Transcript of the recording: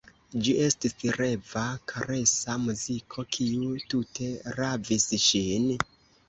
Ĝi estis reva, karesa muziko, kiu tute ravis ŝin.